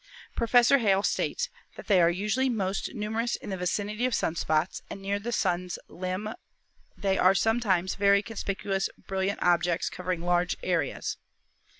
Professor Hale states that "they are usually most numer ous in the vicinity of sun spots, and near the Sun's limb they are sometimes very conspicuous brilliant objects cov ering large areas.